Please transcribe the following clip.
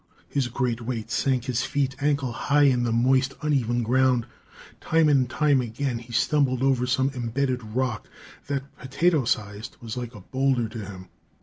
His great weight sank his feet ankle high in the moist, uneven ground. Time and time again he stumbled over some imbedded rock that, potato sized, was like a boulder to him.